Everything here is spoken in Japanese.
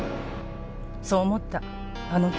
そう思ったあの時。